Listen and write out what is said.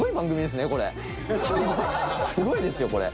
すごいですよこれ。